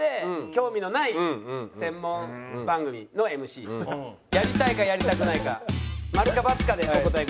興味のない専門番組のＭＣやりたいかやりたくないか○か×かでお答えください。